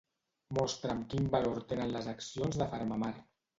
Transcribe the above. Mostra'm quin valor tenen les accions de PharmaMar.